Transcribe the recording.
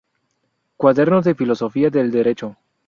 Cuadernos de Filosofía del Derecho.